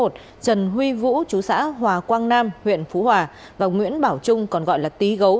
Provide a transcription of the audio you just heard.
trần huy vũ chú xã hòa quang nam huyện phú hòa và nguyễn bảo trung còn gọi là tý gấu